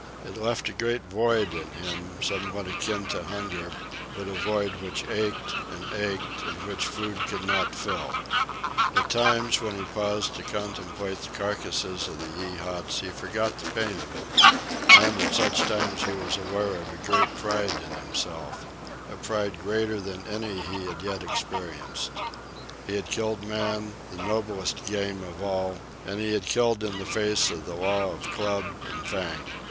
It left a great void in him, somewhat akin to hunger, but a void which ached and ached, and which food could not fill, At times, when he paused to contemplate the carcasses of the Yeehats, he forgot the pain of it; and at such times he was aware of a great pride in himself,—a pride greater than any he had yet experienced. He had killed man, the noblest game of all, and he had killed in the face of the law of club and fang.